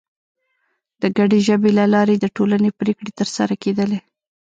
د ګډې ژبې له لارې د ټولنې پرېکړې تر سره کېدلې.